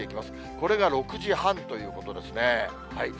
これが６時半ということですね。